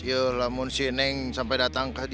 ya lamun sih neng sampai datang kembali